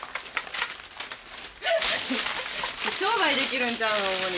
商売できるんちゃうのオモニ